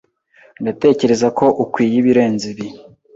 Ndatekereza ko ukwiye ibirenze ibi.